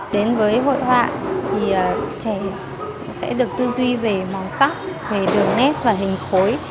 đến với hội họa thì trẻ sẽ được tư duy về màu sắc về đường nét và hình khối